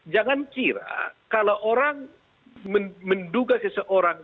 jangan kira kalau orang menduga seseorang